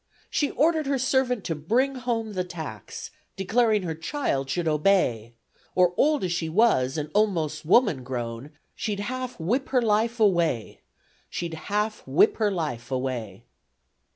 She ordered her servant to bring home the tax, Declaring her child should obey, Or old as she was, and almost woman grown, She'd half whip her life away, She'd half whip her life away.